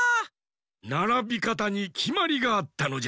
ならびかたにきまりがあったのじゃ。